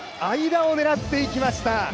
間を狙っていきました。